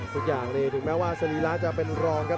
ทุกอย่างนี่ถึงแม้ว่าสรีระจะเป็นรองครับ